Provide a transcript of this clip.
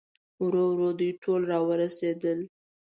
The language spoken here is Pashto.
ورو ورو دوی ټول راورسېدل.